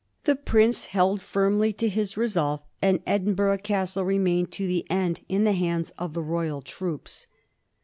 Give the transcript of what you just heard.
The prince held firmly to his resolve, and Edinburgb Castle remained to the end in the hands of the Royal troops.